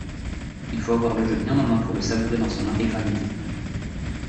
Il faut avoir le jeu bien en main pour le savourer dans son intégralité.